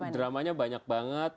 dramanya banyak banget